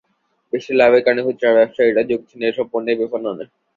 বেশি লাভের কারণে খুচরা ব্যবসায়ীরাও ঝুঁকছেন এসব পণ্যের বিপণনে।